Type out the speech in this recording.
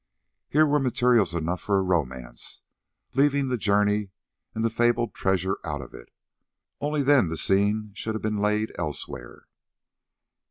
Here were materials enough for a romance, leaving the journey and the fabled treasure out of it; only then the scene should be laid elsewhere.